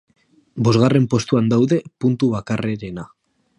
Bosgarren postuan daude, puntu bakarrera.